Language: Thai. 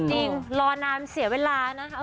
จริงรอนานเสียเวลานะคะ